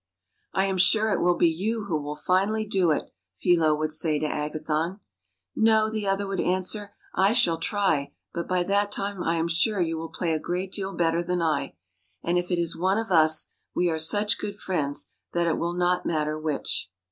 " I am sure it will be you who will finally do it," Philo would say to Agathon. " No," the other would answer, " I shall try, but by that time I am sure you will play a great deal better than I. And if it is one of us, we are such good friends that it will not matter which."